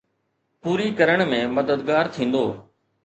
”پوري ڪرڻ ۾ مددگار ٿيندو؟